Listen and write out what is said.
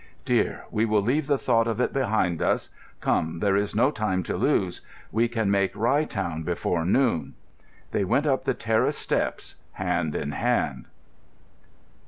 "Dear, we will leave the thought of it behind us. Come, there is no time to lose. We can make Rye town before noon." They went up the terrace steps hand in hand.